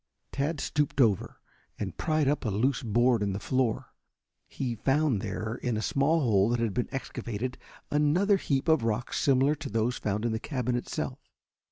Tad stooped over and pried up a loose board in the floor. He found there, in a small hole that had been excavated, another heap of rocks similar to those found in the cabin itself.